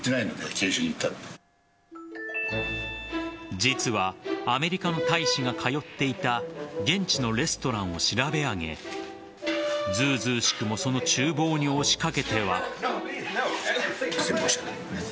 実はアメリカの大使が通っていた現地のレストランを調べ上げずうずうしくもその厨房に押しかけては。